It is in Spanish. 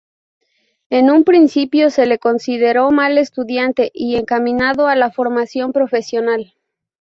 En un principio se le consideró mal estudiante y encaminado a la formación profesional.